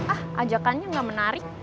ah ajakannya gak menarik